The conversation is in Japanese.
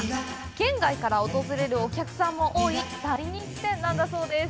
県外から訪れるお客さんも多い、大人気店なんだそうです。